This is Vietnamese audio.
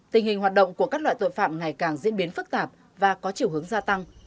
tình hình của các loại tội phạm ngày càng diễn biến phức tạp và có chiều hướng gia tăng